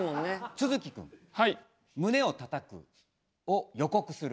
都築くん「胸をたたく」を予告する。